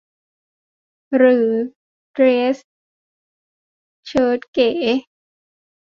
หรือเดรสเชิ้ตเก๋